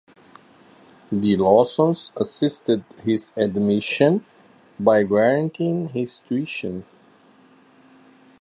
The Lawsons assisted his admission by guaranteeing his tuition.